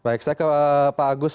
baik saya ke pak agus